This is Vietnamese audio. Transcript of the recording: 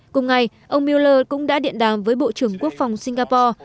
cùng ngày ông mueller cũng đã điện đàm với bộ trưởng quốc phòng singapore